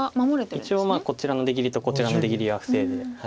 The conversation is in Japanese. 一応こちらの出切りとこちらの出切りは防いで。